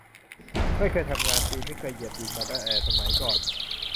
ไม่เคยทำงาน ตีนไม่เคยเหยียบดินมาแต่สมัยก่อน